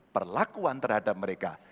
perlakuan terhadap mereka